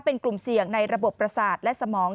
เป็นกลุ่มเสี่ยงในระบบประสาทและสมอง